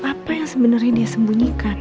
apa yang sebenarnya dia sembunyikan